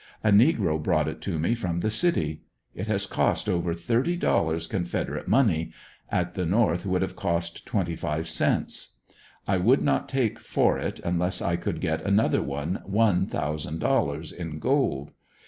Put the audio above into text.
A negro brought it to me from the cit}^ It has cost over thirty dollars Confederate money — at the North would have cost twenty live cents, i would not take for it, unless I could get another one, one thousand dol lars m gold.